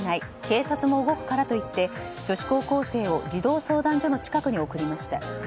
警察も動くからと言って女子高校生を児童相談所の近くに送りました。